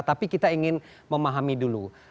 tapi kita ingin memahami dulu